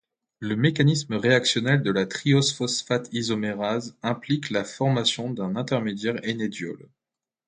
Le mécanisme réactionnel de la triose-phosphate isomérase implique la formation d'un intermédiaire ènediol.